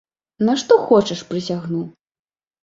На што хочаш прысягну!